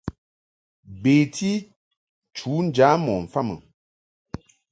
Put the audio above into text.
Beti nchu njam ɔ mfa mɨ.